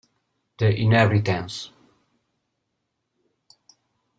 The Inheritance